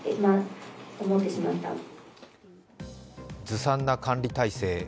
ずさんな管理体制。